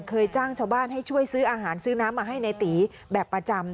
เคยจ้างชาวบ้านให้ช่วยซื้ออาหารซื้อน้ำมาให้ในตีแบบประจำ